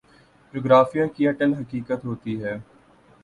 جغرافیے کی اٹل حقیقت ہوتی ہے۔